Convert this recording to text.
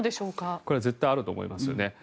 これは絶対あると思いますよね。